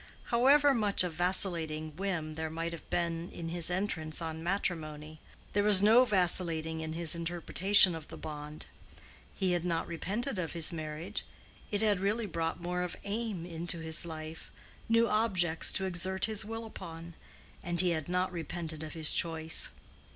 However much of vacillating whim there might have been in his entrance on matrimony, there was no vacillating in his interpretation of the bond. He had not repented of his marriage; it had really brought more of aim into his life, new objects to exert his will upon; and he had not repented of his choice.